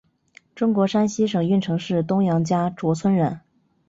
中国山西省运城市东杨家卓村人。